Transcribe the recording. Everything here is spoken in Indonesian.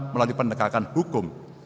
melalui pendekatan hukum